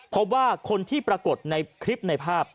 พบว่าคนที่ปรากฏในคลิปในภาพ